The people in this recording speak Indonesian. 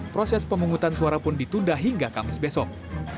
proses pemungutan suara pun ditunda hingga kamis besok